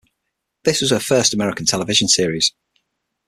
This was her first American television series.